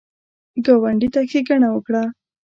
ګاونډي ته ښېګڼه وکړه